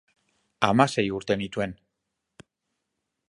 Hamasei urte nituen.